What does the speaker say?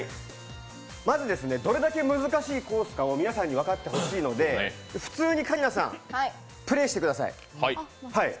まずどれだけ難しいコースかを皆さんに分かってほしいので、普通に香里奈さん、プレーしてください。